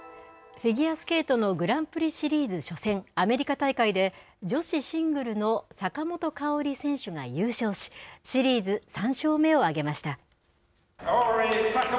フィギュアスケートのグランプリシリーズ初戦、アメリカ大会で、女子シングルの坂本花織選手が優勝し、シリーズ３勝目を挙げました。